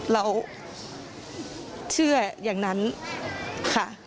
เราเชื่ออย่างนั้นค่ะ